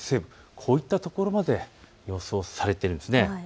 こういったところまで予想されているんです。